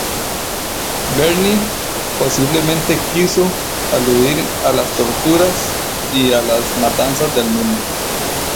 Berni posiblemente quiso aludir a las torturas y las matanzas del mundo.